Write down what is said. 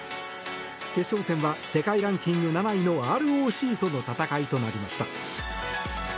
決勝戦は世界ランキング７位のＲＯＣとの戦いとなりました。